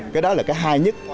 cái đó là cái hay nhất